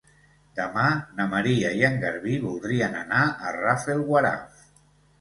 Demà na Maria i en Garbí voldrien anar a Rafelguaraf.